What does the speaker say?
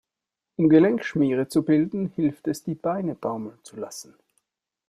Um Gelenkschmiere zu bilden, hilft es, die Beine baumeln zu lassen.